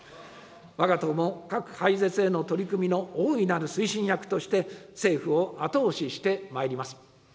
わが党も核廃絶への取り組みの大いなる推進役として政府を後押ししてまいります。